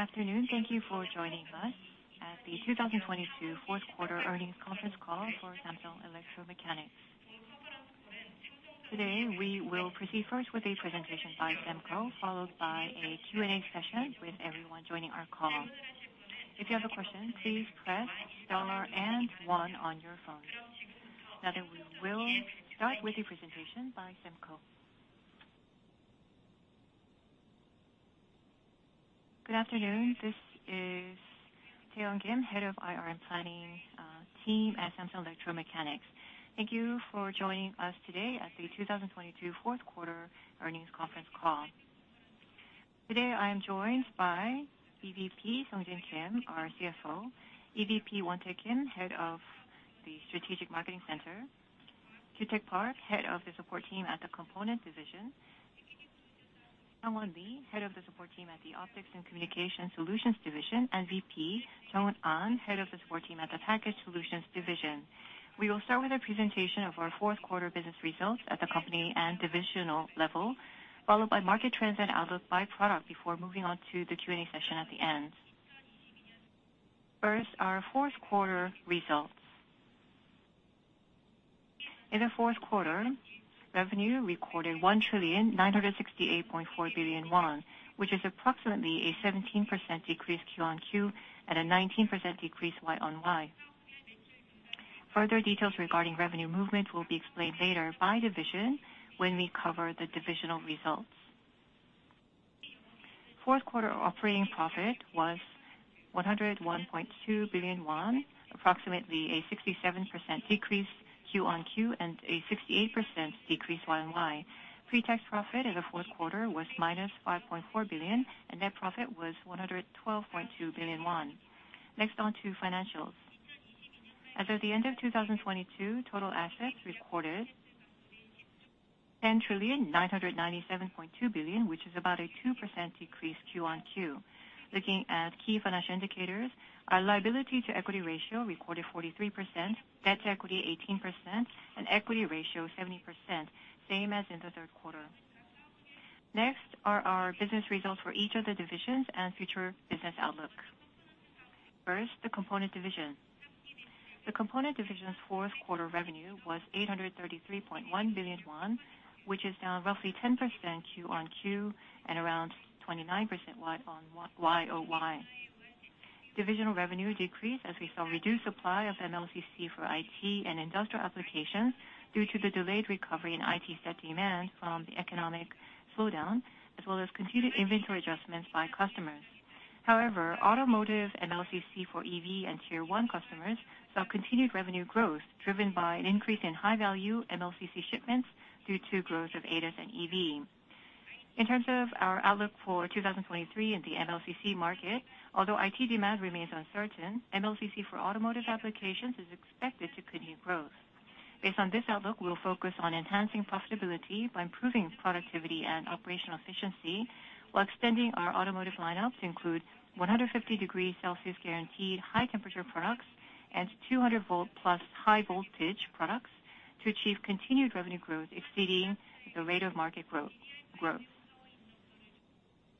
Good afternoon. Thank you for joining us at the 2022 fourth quarter earnings conference call for Samsung Electro-Mechanics. Today, we will proceed first with a presentation by SEMCO, followed by a Q&A session with everyone joining our call. If you have a question, please press dollar and one on your phone. Now, we will start with the presentation by SEMCO. Good afternoon. This is Taiyoung Kim, Head of IR and Planning team at Samsung Electro-Mechanics. Thank you for joining us today at the 2022 fourth quarter earnings conference call. Today, I am joined by EVP Kim Sungjin, our CFO, EVP Kim Won-taek, Head of the Strategic Marketing Office, Park Gyu-taek, head of the support team at the component division, Lee Hyung-won, Head of the support team at the Optics and Communication Solutions Division, and VP Ahn Jeong-hoon, Head of the support team at the Package Solutions Division. We will start with a presentation of our fourth quarter business results at the company and divisional level, followed by market trends and outlook by product before moving on to the Q&A session at the end. First, our fourth quarter results. In the fourth quarter, revenue recorded 1.9684 trillion, which is approximately a 17% decrease QoQ and a 19% decrease YoY. Further details regarding revenue movement will be explained later by division when we cover the divisional results. Fourth quarter operating profit was 101.2 billion won, approximately a 67% decrease QoQ and a 68% decrease YoY. Pre-tax profit in the fourth quarter was -5.4 billion, and net profit was 112.2 billion won. Next, on to financials. As of the end of 2022, total assets recorded 10.9972 trillion, which is about a 2% decrease QoQ. Looking at key financial indicators, our liability to equity ratio recorded 43%, debt to equity 18%, and equity ratio 70%, same as in the third quarter. Next are our business results for each of the divisions and future business outlooks. First, the component division. The component division's fourth quarter revenue was 833.1 billion won, which is down roughly 10% QoQ and around 29% YoY. Divisional revenue decreased as we saw reduced supply of MLCC for IT and industrial applications due to the delayed recovery in IT set demand from the economic slowdown, as well as continued inventory adjustments by customers. Automotive MLCC for EV and Tier 1 customers saw continued revenue growth driven by an increase in high-value MLCC shipments due to growth of ADAS and EV. In terms of our outlook for 2023 in the MLCC market, although IT demand remains uncertain, MLCC for automotive applications is expected to continue growth. Based on this outlook, we'll focus on enhancing profitability by improving productivity and operational efficiency while extending our automotive lineup to include 150 degrees Celsius guaranteed high temperature products and 200 V+ high voltage products to achieve continued revenue growth.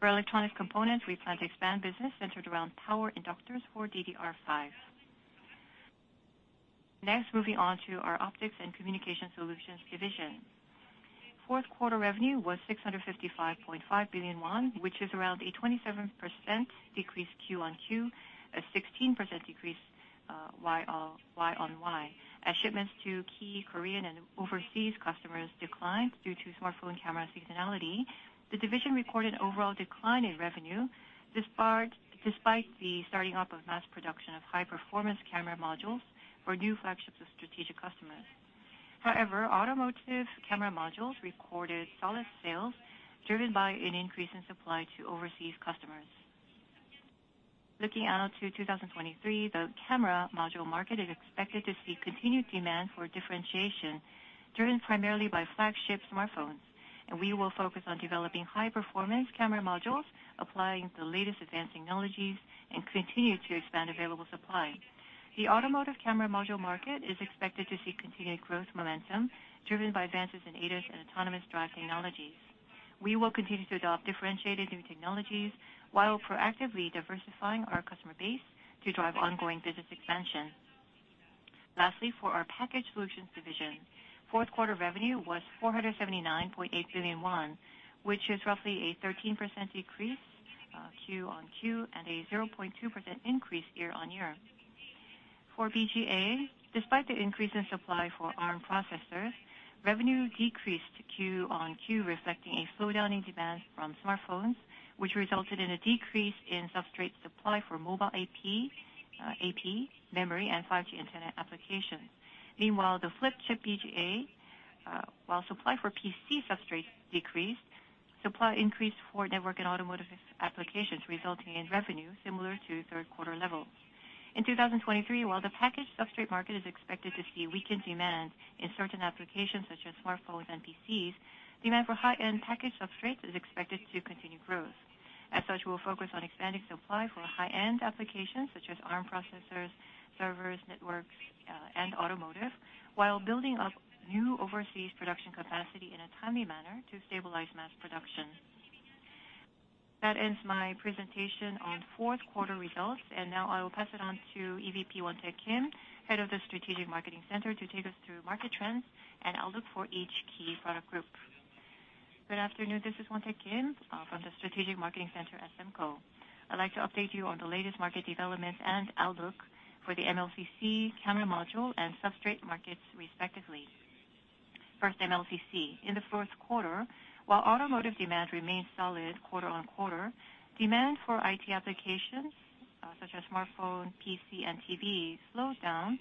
For electronic components, we plan to expand business centered around Power Inductors for DDR5. Next, moving on to our Optics & Communication Solution Division. Fourth quarter revenue was 655.5 billion won, which is around a 27% decrease QoQ, a 16% decrease YoY. As shipments to key Korean and overseas customers declined due to smartphone camera seasonality, the division recorded overall decline in revenue, despite the starting up of mass production of high-performance camera modules for new flagships of strategic customers. However, automotive camera modules recorded solid sales driven by an increase in supply to overseas customers. Looking out to 2023, the camera module market is expected to see continued demand for differentiation, driven primarily by flagship smartphones, and we will focus on developing high-performance camera modules, applying the latest advanced technologies, and continue to expand available supply. The automotive camera module market is expected to see continued growth momentum driven by advances in ADAS and autonomous drive technologies. We will continue to adopt differentiated new technologies while proactively diversifying our customer base to drive ongoing business expansion. Lastly, for our Package Solutions Division, fourth quarter revenue was 479.8 billion won, which is roughly a 13% decrease, QoQ and a 0.2% increase year-on-year. For BGA, despite the increase in supply for Arm processors, revenue decreased QoQ, reflecting a slowdown in demand from smartphones, which resulted in a decrease in substrate supply for mobile AP memory and 5G internet applications. Meanwhile, the Flip Chip BGA, while supply for PC substrates decreased, supply increased for network and automotive applications, resulting in revenue similar to third quarter levels. In 2023, while the package substrate market is expected to see weakened demand in certain applications such as smartphones and PCs, demand for high-end package substrates is expected to continue growth. As such, we'll focus on expanding supply for high-end applications such as ARM processors, servers, networks, and automotive, while building up new overseas production capacity in a timely manner to stabilize mass production. That ends my presentation on fourth quarter results, and now I will pass it on to EVP Won-taek Kim, Head of the Strategic Marketing Center, to take us through market trends and outlook for each key product group. Good afternoon. This is Won-taek Kim, from the Strategic Marketing Center at SEMCO. I'd like to update you on the latest market developments and outlook for the MLCC camera module and substrate markets respectively. First, MLCC. In the first quarter, while automotive demand remained solid quarter-on-quarter, demand for IT applications, such as smartphone, PC, and TV slowed down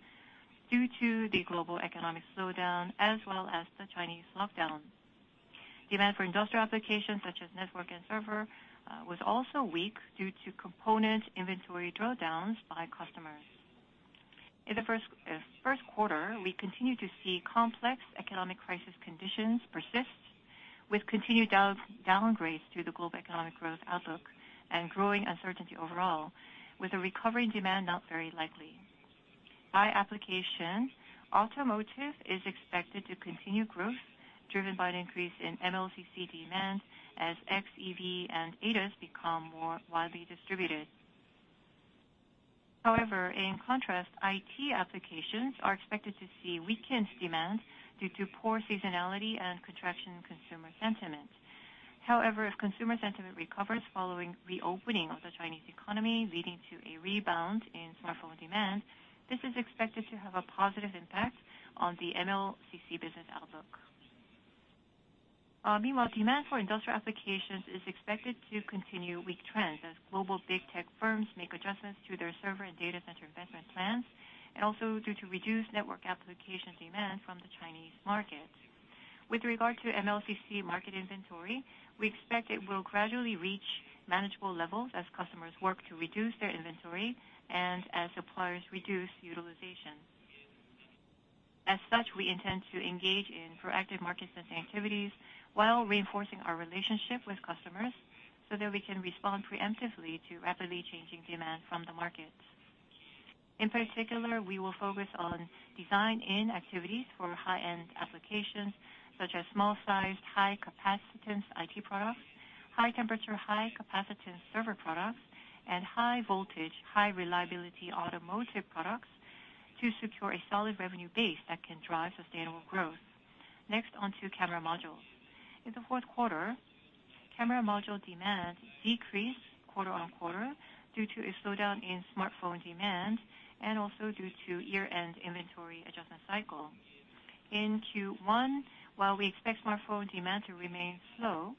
due to the global economic slowdown as well as the Chinese lockdown. Demand for industrial applications such as network and server was also weak due to component inventory drawdowns by customers. In the first quarter, we continued to see complex economic crisis conditions persist, with continued downgrades to the global economic growth outlook and growing uncertainty overall, with a recovery in demand not very likely. By application, automotive is expected to continue growth driven by an increase in MLCC demand as xEV and ADAS become more widely distributed. However, in contrast, IT applications are expected to see weakened demand due to poor seasonality and contraction in consumer sentiment. However, if consumer sentiment recovers following reopening of the Chinese economy, leading to a rebound in smartphone demand, this is expected to have a positive impact on the MLCC business outlook. Meanwhile, demand for industrial applications is expected to continue weak trends as global big tech firms make adjustments to their server and data center investment plans, and also due to reduced network applications demand from the Chinese market. With regard to MLCC market inventory, we expect it will gradually reach manageable levels as customers work to reduce their inventory and as suppliers reduce utilization. We intend to engage in proactive market sensing activities while reinforcing our relationship with customers, so that we can respond preemptively to rapidly changing demand from the market. We will focus on design-in activities for high-end applications such as small-sized, high-capacitance IT products, high temperature, high capacitance server products, and high voltage, high reliability automotive products to secure a solid revenue base that can drive sustainable growth. Next onto camera modules. In the fourth quarter, camera module demand decreased quarter-on-quarter due to a slowdown in smartphone demand and also due to year-end inventory adjustment cycle. In Q1, while we expect smartphone demand to remain slow,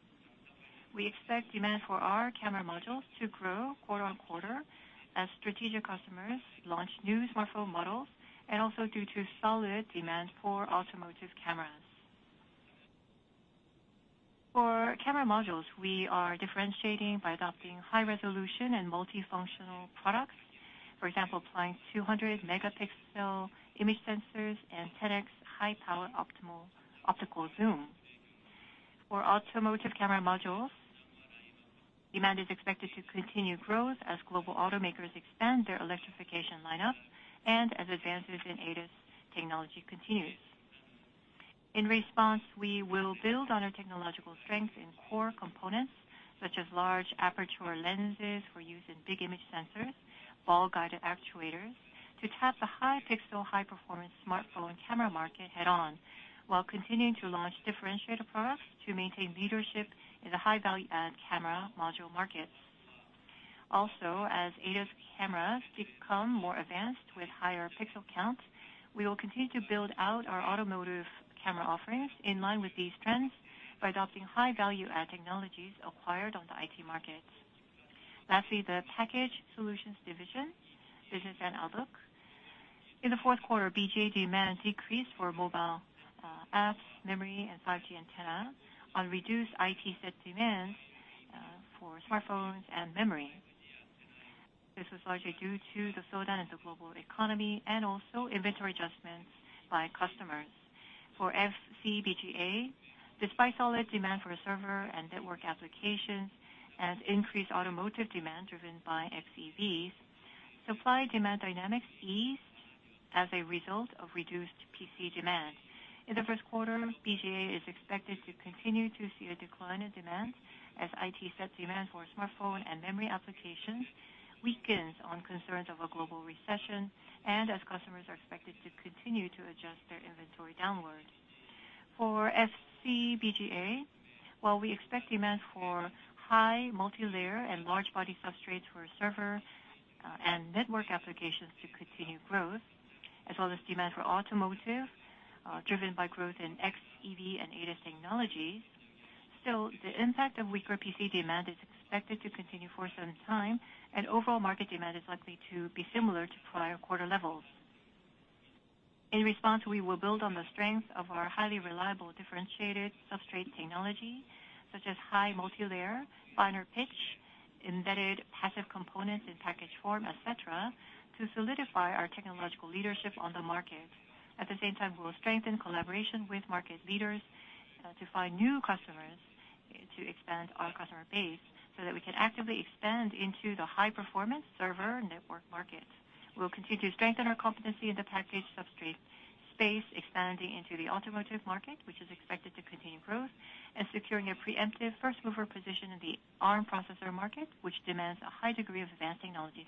we expect demand for our camera modules to grow quarter-on-quarter as strategic customers launch new smartphone models and also due to solid demand for automotive cameras. For camera modules, we are differentiating by adopting high resolution and multifunctional products. For example, applying 200-megapixel image sensors and 10X high power optimal optical zoom. For automotive camera modules, demand is expected to continue growth as global automakers expand their electrification lineup and as advances in ADAS technology continues. In response, we will build on our technological strength in core components such as large-aperture lenses for use in big image sensors, ball-guided actuators to tap the high pixel, high performance smartphone camera market head on, while continuing to launch differentiated products to maintain leadership in the high value add camera module markets. Also, as ADAS cameras become more advanced with higher pixel counts, we will continue to build out our automotive camera offerings in line with these trends by adopting high value add technologies acquired on the IT market. Lastly, the Package Solution Division business and outlook. In the fourth quarter, BGA demand decreased for mobile apps, memory, and 5G antenna on reduced IT set demands for smartphones and memory. This was largely due to the slowdown in the global economy and also inventory adjustments by customers. For FCBGA, despite solid demand for server and network applications and increased automotive demand driven by xEVs, supply demand dynamics eased as a result of reduced PC demand. In the first quarter, BGA is expected to continue to see a decline in demand as IT set demand for smartphone and memory applications weakens on concerns of a global recession and as customers are expected to continue to adjust their inventory downwards. For FCBGA, while we expect demand for high multilayer and large body substrates for server, and network applications to continue growth, as well as demand for automotive, driven by growth in xEV and ADAS technologies, still, the impact of weaker PC demand is expected to continue for some time, and overall market demand is likely to be similar to prior quarter levels. In response, we will build on the strength of our highly reliable differentiated substrate technology, such as high multilayer, finer pitch, embedded passive components in package form, et cetera, to solidify our technological leadership on the market. At the same time, we will strengthen collaboration with market leaders to find new customers to expand our customer base so that we can actively expand into the high performance server network market. We'll continue to strengthen our competency in the package substrate space, expanding into the automotive market, which is expected to continue growth and securing a preemptive first mover position in the Arm processor market, which demands a high degree of advanced technology.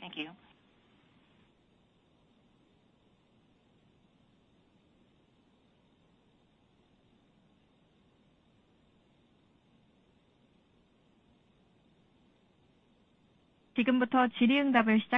Thank you. Now Q&A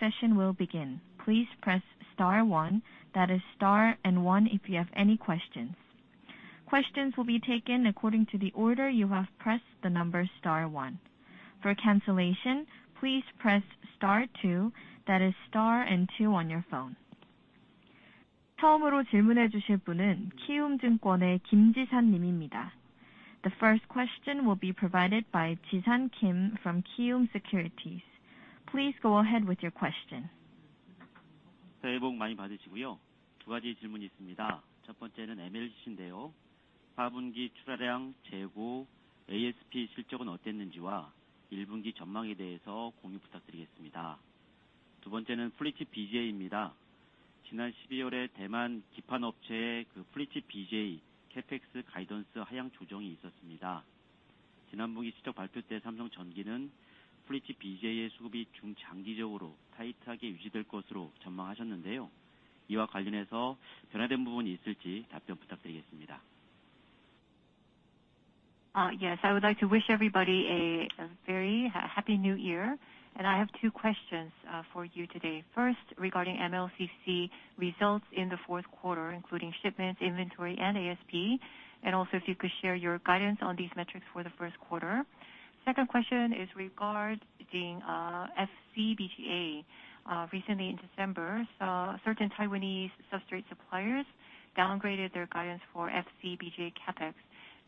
session will begin. Please press star one, that is star and one if you have any questions. Questions will be taken according to the order you have pressed the number star one. For cancellation, please press star two, that is star and two on your phone. The first question will be provided by Jisan Kim from Kiwoom Securities. Please go ahead with your question. Yes. I would like to wish everybody a very happy new year. I have two questions for you today. First, regarding MLCC results in the fourth quarter, including shipments, inventory, and ASP. Also if you could share your guidance on these metrics for the first quarter. Second question is regarding FCBGA. Recently in December, certain Taiwanese substrate suppliers downgraded their guidance for FCBGA CapEx.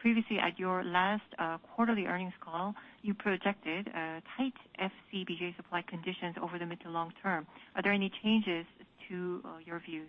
Previously, at your last quarterly earnings call, you projected a tight FCBGA supply conditions over the mid to long-term. Are there any changes to your views?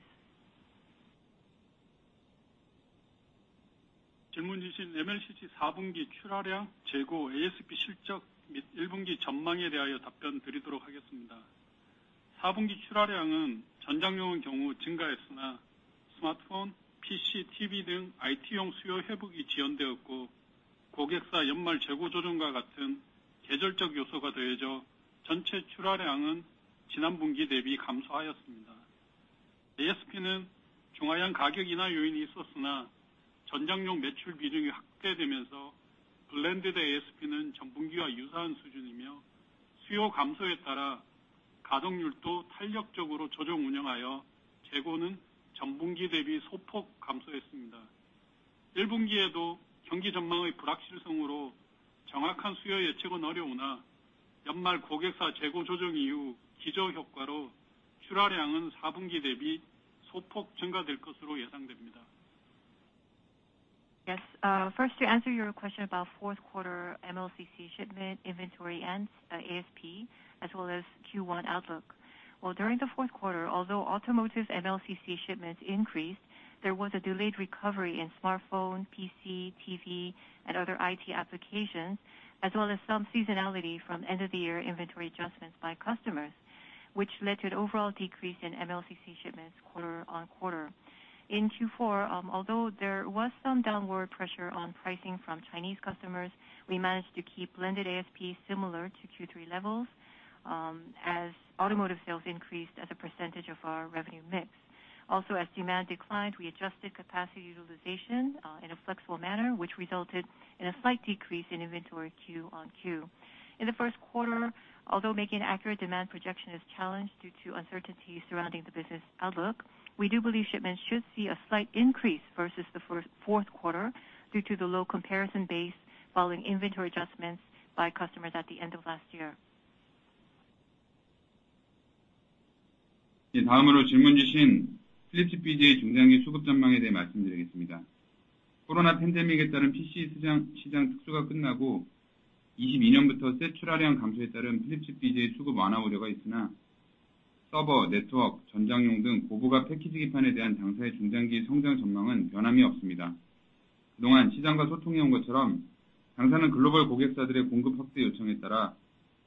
First to answer your question about fourth quarter MLCC shipment inventory and ASP as well as Q1 outlook. Well, during the fourth quarter, although automotive MLCC shipments increased, there was a delayed recovery in smartphone, PC, TV and other IT applications, as well as some seasonality from end of the year inventory adjustments by customers, which led to an overall decrease in MLCC shipments quarter-on-quarter. In Q4, although there was some downward pressure on pricing from Chinese customers, we managed to keep blended ASP similar to Q3 levels, as automotive sales increased as a percentage of our revenue mix. As demand declined, we adjusted capacity utilization in a flexible manner, which resulted in a slight decrease in inventory QoQ. In the first quarter, although making accurate demand projection is challenged due to uncertainty surrounding the business outlook, we do believe shipments should see a slight increase versus the first fourth quarter due to the low comparison base following inventory adjustments by customers at the end of last year.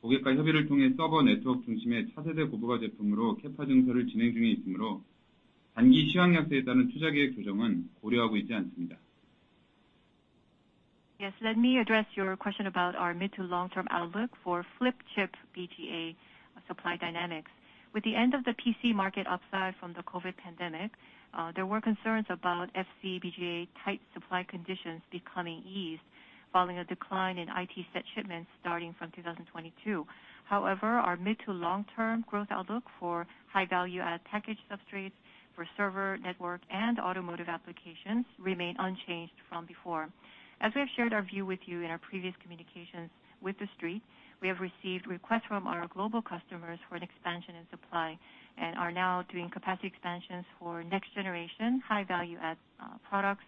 Yes, let me address your question about our mid to long-term outlook for Flip Chip BGA supply dynamics. With the end of the PC market upside from the COVID pandemic, there were concerns about FCBGA tight supply conditions becoming eased following a decline in IT set shipments starting from 2022. However, our mid to long term growth outlook for high value added package substrates for server, network and automotive applications remain unchanged from before. As we have shared our view with you in our previous communications with the Street, we have received requests from our global customers for an expansion in supply and are now doing capacity expansions for next-generation high value-add products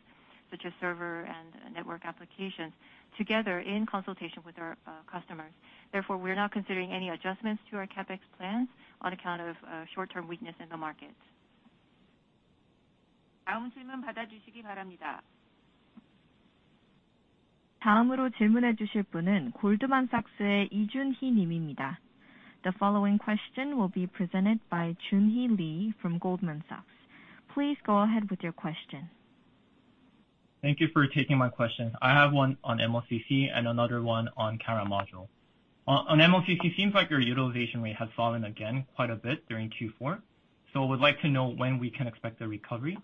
such as server and network applications together in consultation with our customers. Therefore, we are now considering any adjustments to our CapEx plans on account of short-term weakness in the market. The following question will be presented by Junhi Lee from Goldman Sachs. Please go ahead with your question. Thank you for taking my question. I have one on MLCC and another one on camera module. On MLCC seems like your utilization rate has fallen again quite a bit during Q4. I would like to know when we can expect a recovery.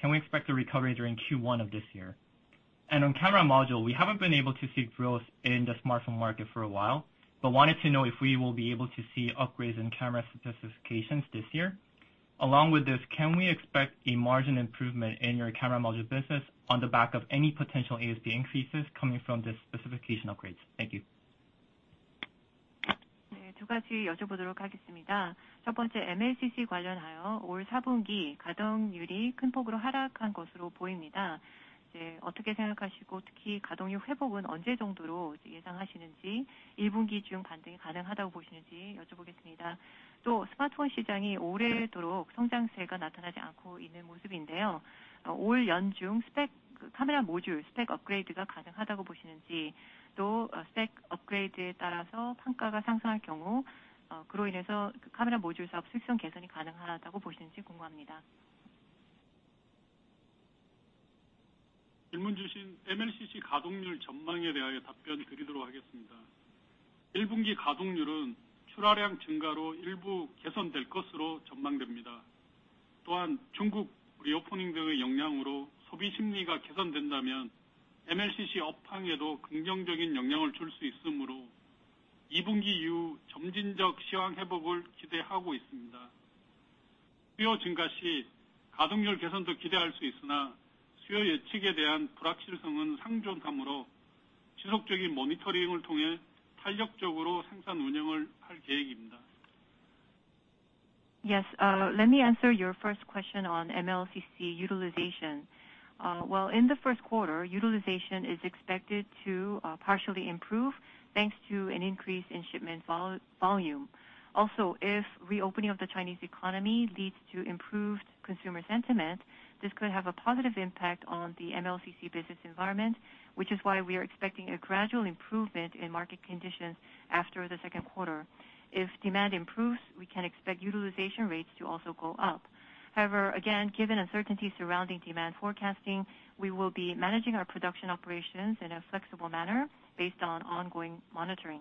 Can we expect a recovery during Q1 of this year? On camera module, we haven't been able to see growth in the smartphone market for a while, but wanted to know if we will be able to see upgrades in camera specifications this year. Along with this, can we expect a margin improvement in your camera module business on the back of any potential ASP increases coming from the specification upgrades? Thank you. Yes. Let me answer your first question on MLCC utilization. Well, in the first quarter, utilization is expected to partially improve thanks to an increase in shipment volume. Also, if reopening of the Chinese economy leads to improved consumer sentiment, this could have a positive impact on the MLCC business environment, which is why we are expecting a gradual improvement in market conditions after the second quarter. If demand improves, we can expect utilization rates to also go up. However, again, given uncertainty surrounding demand forecasting, we will be managing our production operations in a flexible manner based on ongoing monitoring.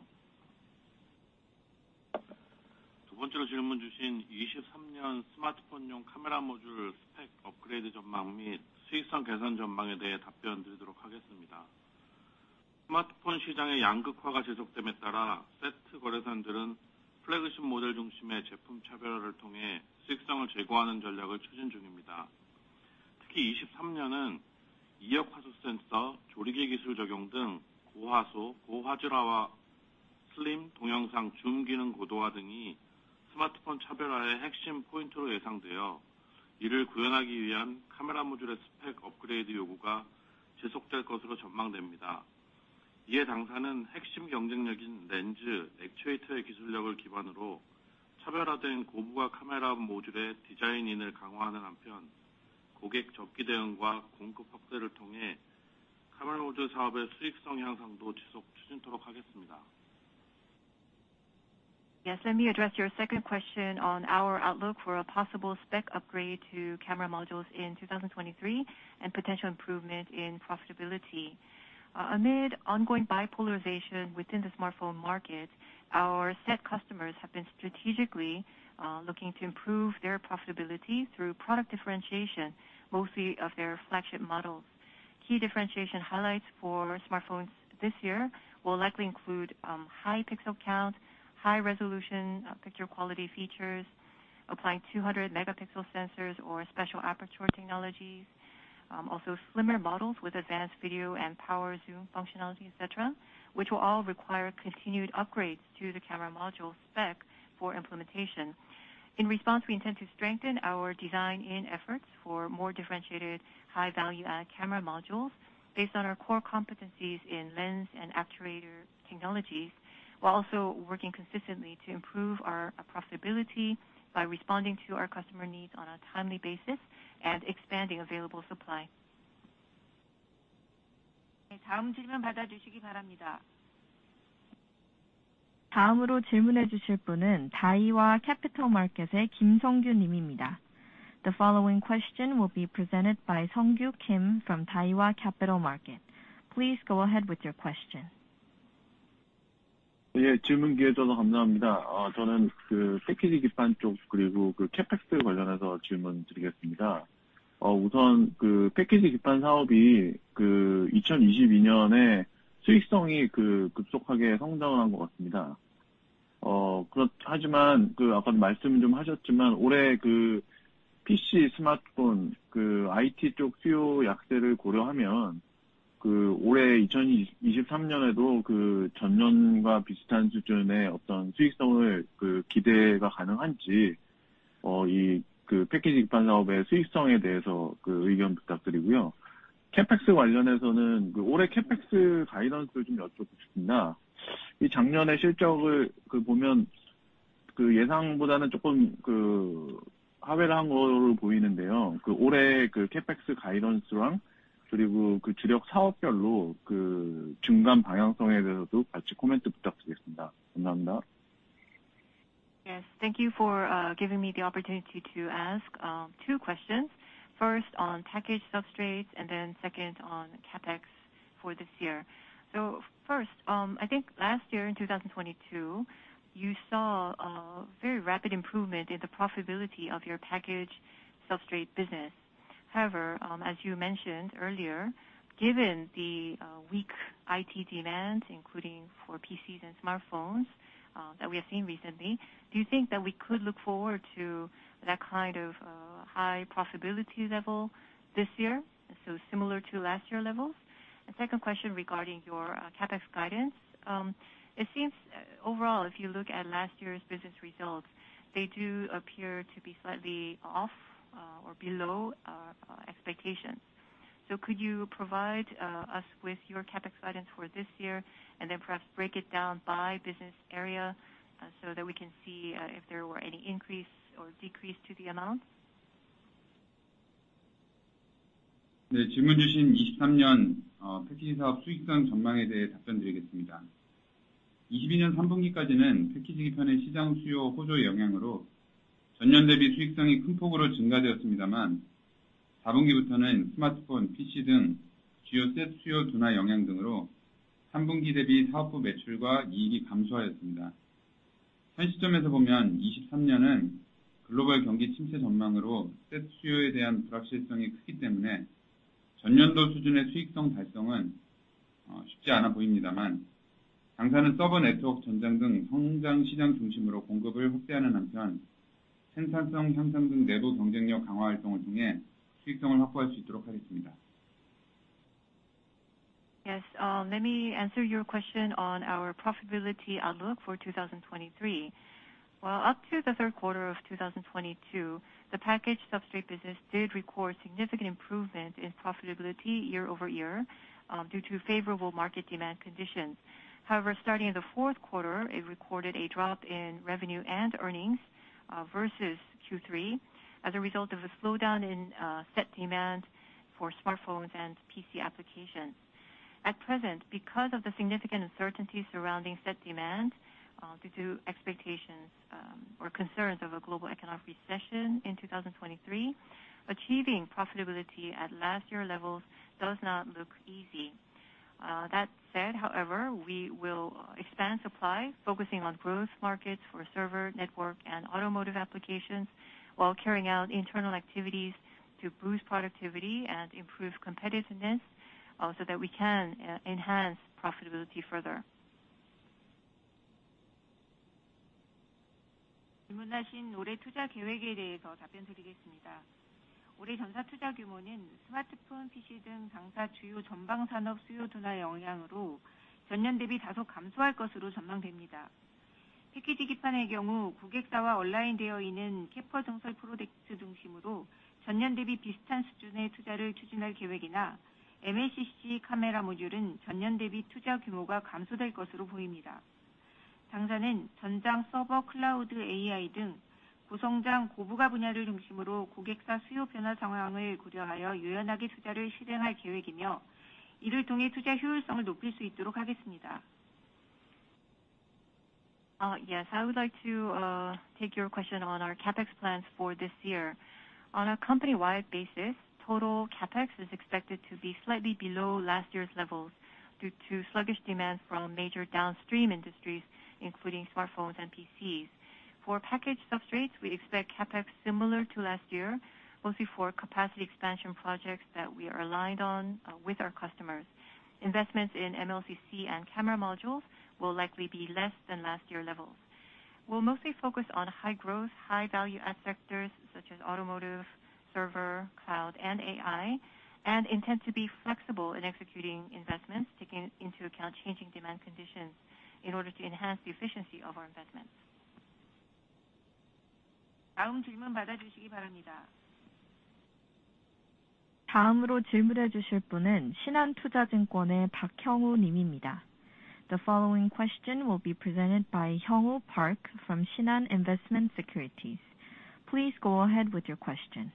Yes. Let me address your second question on our outlook for a possible spec upgrade to camera modules in 2023 and potential improvement in profitability. Amid ongoing bipolarization within the smartphone market, our set customers have been strategically looking to improve their profitability through product differentiation, mostly of their flagship models. Key differentiation highlights for smartphones this year will likely include high pixel count, high resolution, picture quality features, applying 200-megapixel sensors or special aperture technologies, also slimmer models with advanced video and power zoom functionality, etc, which will all require continued upgrades to the camera module spec for implementation. In response, we intend to strengthen our design-in efforts for more differentiated high value added camera modules based on our core competencies in lens and actuator technologies, while also working consistently to improve our profitability by responding to our customer needs on a timely basis and expanding available supply. The following question will be presented by Sung-Kyou Kim from Daiwa Capital Markets. Please go ahead with your question. Yes. Thank you for giving me the opportunity to ask two questions. First on package substrates and then second on CapEx for this year. First, I think last year in 2022, you saw a very rapid improvement in the profitability of your package substrate business. However, as you mentioned earlier, given the weak IT demand, including for PCs and smartphones, that we have seen recently, do you think that we could look forward to that kind of high profitability level this year, similar to last year levels? Second question regarding your CapEx guidance. It seems overall, if you look at last year's business results, they do appear to be slightly off or below our expectations. Could you provide us with your CapEx guidance for this year and then perhaps break it down by business area so that we can see if there were any increase or decrease to the amount? Yes. Let me answer your question on our profitability outlook for 2023. While up to the third quarter of 2022, the package substrate business did record significant improvement in profitability year-over-year due to favorable market demand conditions. However, starting in the fourth quarter, it recorded a drop in revenue and earnings versus Q3 as a result of a slowdown in set demand for smartphones and PC applications. At present, because of the significant uncertainty surrounding set demand due to expectations or concerns of a global economic recession in 2023, achieving profitability at last year levels does not look easy. That said, however, we will expand supply, focusing on growth markets for server, network and automotive applications while carrying out internal activities to boost productivity and improve competitiveness so that we can enhance profitability further. Yes. I would like to take your question on our CapEx plans for this year. On a company-wide basis, total CapEx is expected to be slightly below last year's levels due to sluggish demand from major downstream industries, including smartphones and PCs. For package substrates, we expect CapEx similar to last year, mostly for capacity expansion projects that we are aligned on with our customers. Investments in MLCC and camera modules will likely be less than last year levels. We'll mostly focus on high growth, high value add sectors such as automotive, server, cloud and AI, and intend to be flexible in executing investments, taking into account changing demand conditions in order to enhance the efficiency of our investments. The following question will be presented by Hyung-woo Park from Shinhan Investment & Securities. Please go ahead with your question.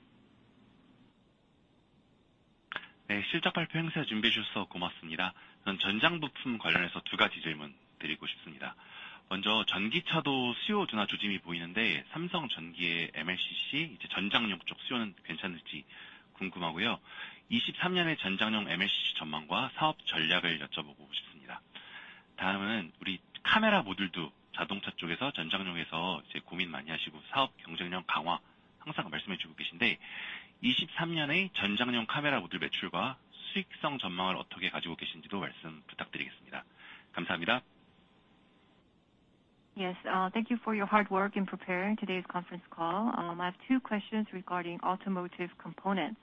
Yes. Thank you for your hard work in preparing today's conference call. I have two questions regarding automotive components.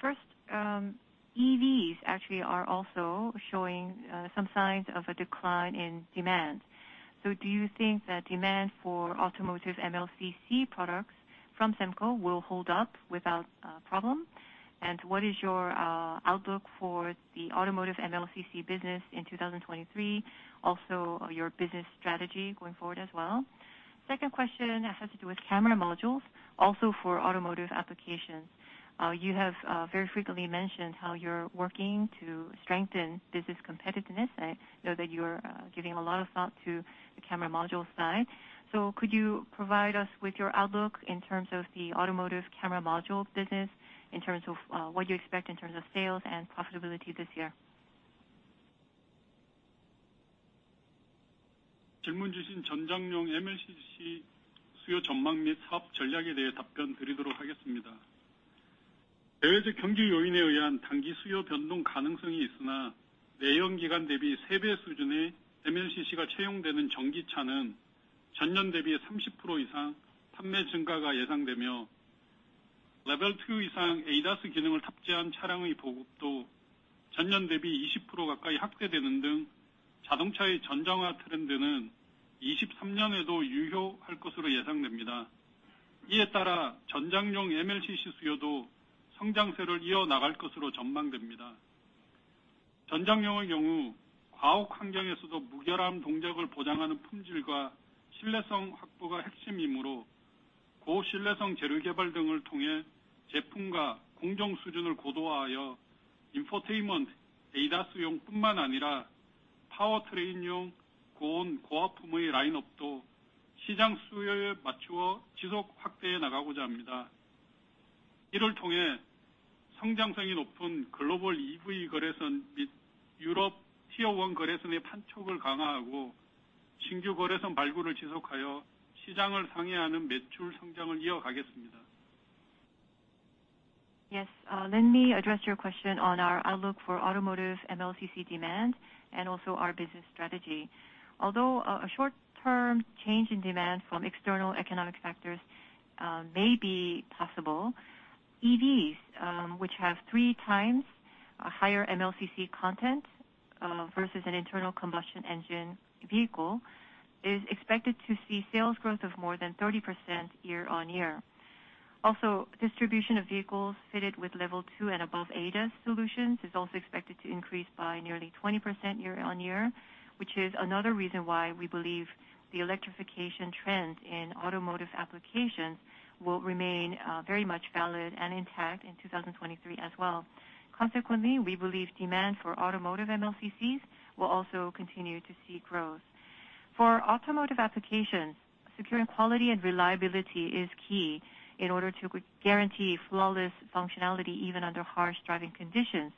First, EVs actually are also showing some signs of a decline in demand. Do you think that demand for automotive MLCC products from SEMCO will hold up without problem? What is your outlook for the automotive MLCC business in 2023? Your business strategy going forward as well. Second question has to do with camera modules also for automotive applications. You have very frequently mentioned how you're working to strengthen business competitiveness. I know that you're giving a lot of thought to the camera module side. Could you provide us with your outlook in terms of the automotive camera module business, in terms of what you expect in terms of sales and profitability this year? Yes. Let me address your question on our outlook for automotive MLCC demand and also our business strategy. Although a short-term change in demand from external economic factors may be possible, EVs, which have 3x higher MLCC content versus an internal combustion engine vehicle, is expected to see sales growth of more than 30% year-on-year. Distribution of vehicles fitted with Level 2 and above ADAS solutions is also expected to increase by nearly 20% year-on-year, which is another reason why we believe the electrification trend in automotive applications will remain very much valid and intact in 2023 as well. We believe demand for automotive MLCCs will also continue to see growth. For automotive applications, securing quality and reliability is key in order to guarantee flawless functionality even under harsh driving conditions,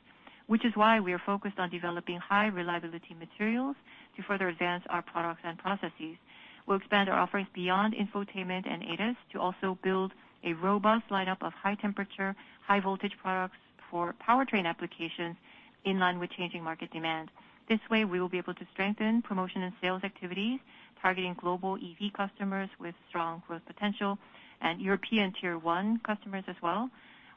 which is why we are focused on developing high reliability materials to further advance our products and processes. We'll expand our offerings beyond infotainment and ADAS to also build a robust lineup of high temperature, high voltage products for powertrain applications in line with changing market demand. This way, we will be able to strengthen promotion and sales activities, targeting global EV customers with strong growth potential and European Tier 1 customers as well.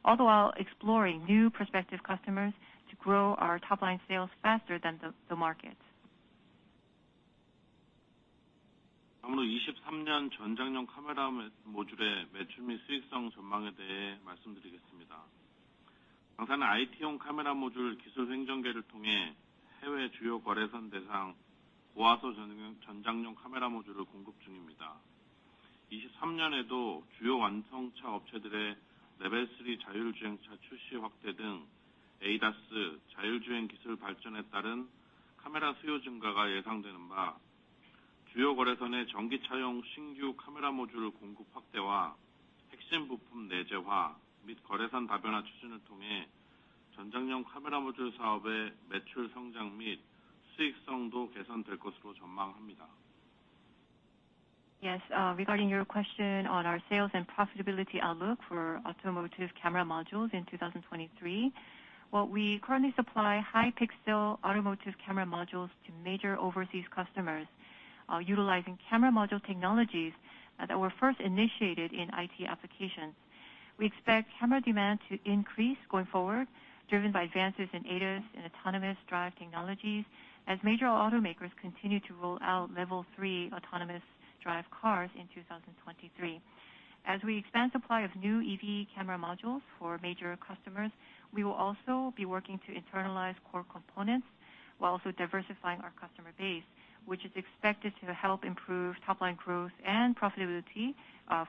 All the while exploring new prospective customers to grow our top line sales faster than the market. Regarding your question on our sales and profitability outlook for automotive camera modules in 2023. What we currently supply high pixel automotive camera modules to major overseas customers, utilizing camera module technologies that were first initiated in IT applications. We expect camera demand to increase going forward, driven by advances in ADAS and autonomous drive technologies as major automakers continue to roll out Level 3 autonomous drive cars in 2023. As we expand supply of new EV camera modules for major customers, we will also be working to internalize core components while also diversifying our customer base, which is expected to help improve top line growth and profitability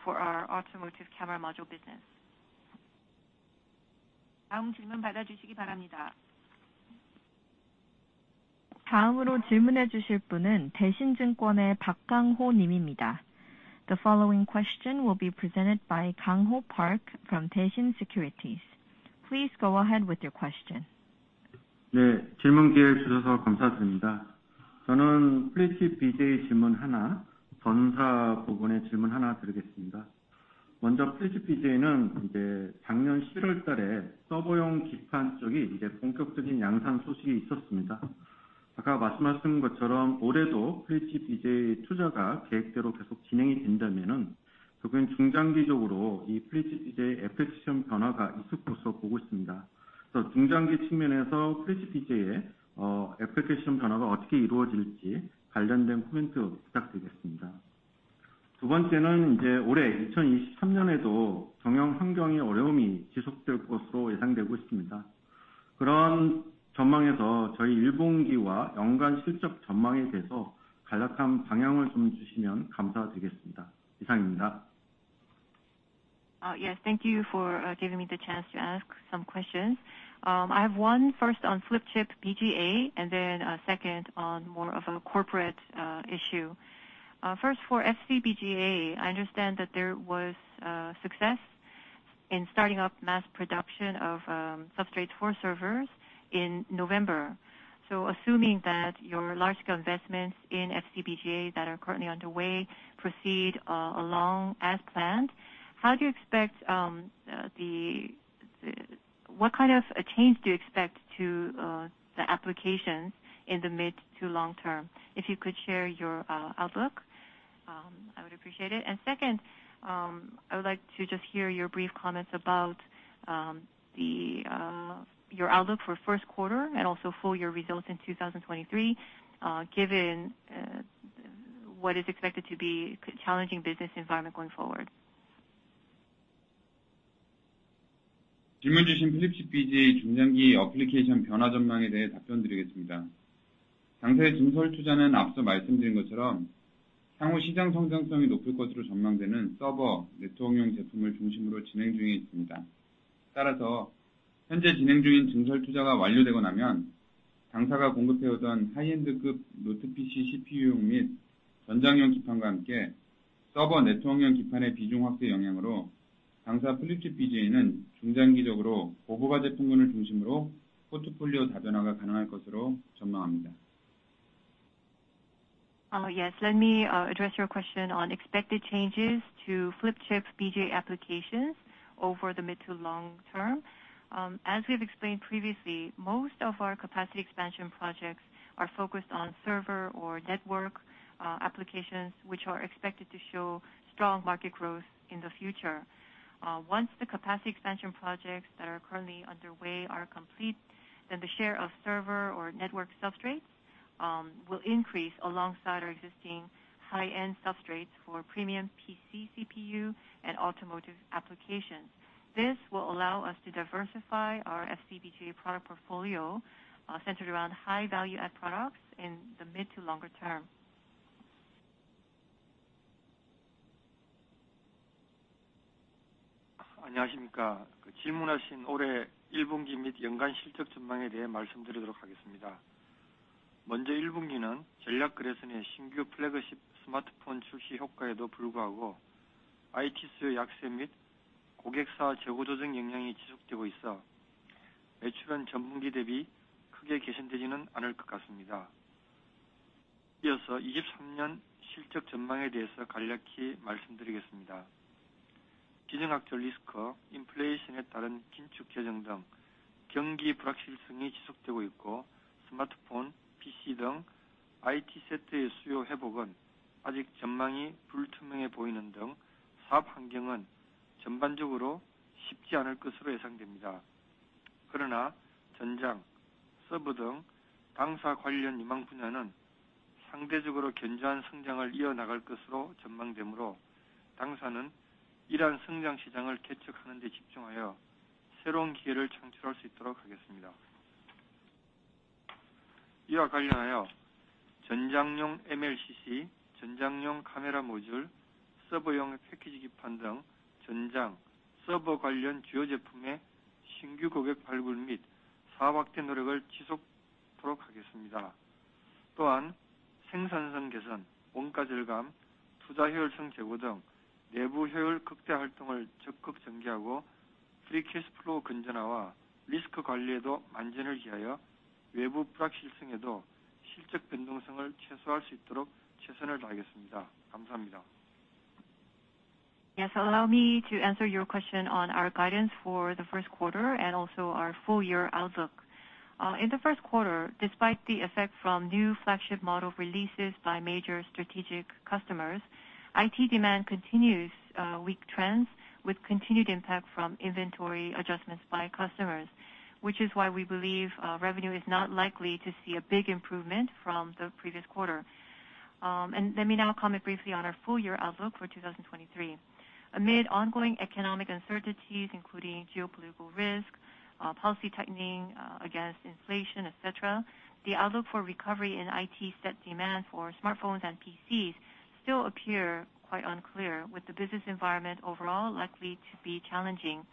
for our automotive camera module business. The following question will be presented by Kang-ho Park from Daishin Securities. Please go ahead with your question. Yes, thank you for giving me the chance to ask some questions. I have one first on Flip Chip BGA, and then second on more of a corporate issue. First for FCBGA, I understand that there was success in starting up mass production of substrates for servers in November. Assuming that your large scale investments in FCBGA that are currently underway proceed along as planned. What kind of a change do you expect to the applications in the mid to long term? If you could share your outlook, I would appreciate it. Second, I would like to just hear your brief comments about your outlook for first quarter and also full year results in 2023, given what is expected to be challenging business environment going forward. Yes, let me address your question on expected changes to Flip Chip BGA applications over the mid to long term. As we've explained previously, most of our capacity expansion projects are focused on server or network applications, which are expected to show strong market growth in the future. Once the capacity expansion projects that are currently underway are complete, the share of server or network substrates will increase alongside our existing high-end substrates for premium PC CPU and automotive applications. This will allow us to diversify our FCBGA product portfolio, centered around high value-add products in the mid to longer-term. Yes, allow me to answer your question on our guidance for the first quarter and also our full year outlook. In the first quarter, despite the effect from new flagship model releases by major strategic customers, IT demand continues weak trends with continued impact from inventory adjustments by customers, which is why we believe revenue is not likely to see a big improvement from the previous quarter. Let me now comment briefly on our full year outlook for 2023. Amid ongoing economic uncertainties, including geopolitical risk, policy tightening, against inflation, et cetera, the outlook for recovery in IT set demand for smartphones and PCs still appear quite unclear with the business environment overall likely to be challenging.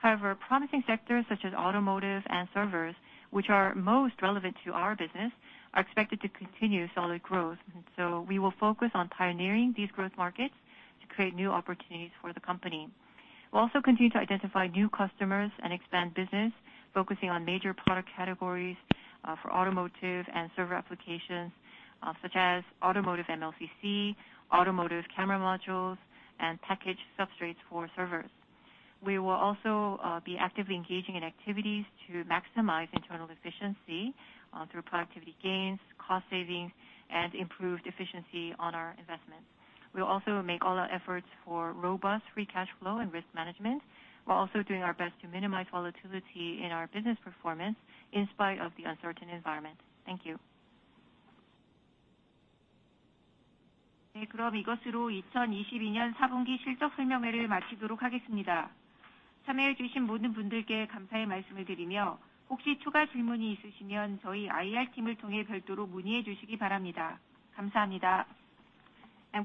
However, promising sectors such as automotive and servers, which are most relevant to our business, are expected to continue solid growth. We will focus on pioneering these growth markets to create new opportunities for the company. We'll also continue to identify new customers and expand business, focusing on major product categories, for automotive and server applications, such as automotive MLCC, automotive camera modules, and package substrates for servers. We will also be actively engaging in activities to maximize internal efficiency, through productivity gains, cost savings, and improved efficiency on our investments. We'll also make all our efforts for robust free cash flow and risk management, while also doing our best to minimize volatility in our business performance in spite of the uncertain environment. Thank you.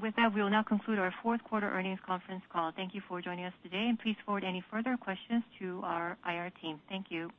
With that, we will now conclude our fourth quarter earnings conference call. Thank you for joining us today, and please forward any further questions to our IR team. Thank you.